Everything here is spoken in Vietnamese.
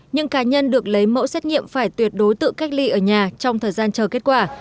những cá nhân được lấy mẫu xét nghiệm phải tuyệt đối tự cách ly ở nhà trong thời gian chờ kết quả